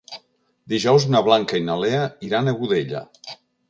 Dijous na Blanca i na Lea iran a Godella.